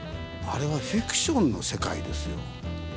あれはフィクションの世界ですよ。